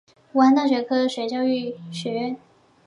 武汉大学教育科学学院